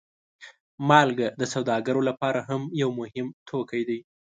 مالګه د سوداګرو لپاره هم یو مهم توکی دی.